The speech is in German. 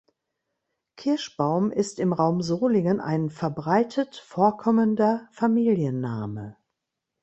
Kirschbaum ist im Raum Solingen ein verbreitet vorkommender Familienname.